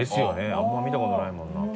あんまり見た事ないもんな。